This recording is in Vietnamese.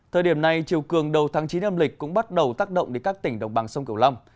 thời điểm này chiều cường đầu tháng chín âm lịch cũng bắt đầu tác động đến các tỉnh đồng bằng sông cửu long